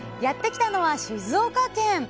やって来たのは静岡県。